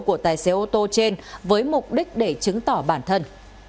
của tài xế ô tô trên với mục đích để chứng tỏ bản thân